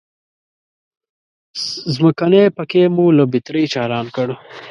ځمکنی پکی مو له بترۍ چالان کړ.